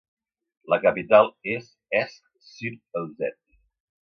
La capital és Esch-sur-Alzette.